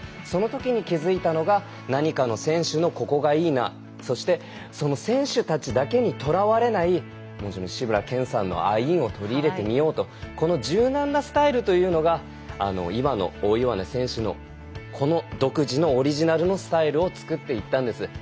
そのときに気づいたのが何かの選手のここがいいなそして、その選手たちだけにとらわれない志村けんさんのアイーンを取り入れてみようとこの柔軟なスタイルというのが今の大岩根選手のこの独自のオリジナルのスタイルを作っていったんです。